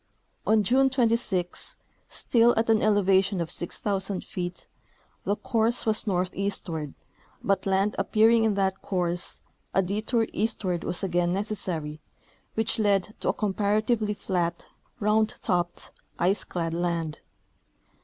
On June 26, still at an elevation of 6,000 feet, the course was northeastward, but land appearing in that course, a detour east ward was again necessary, which led to a comparatively flat, round topped, ice clad land.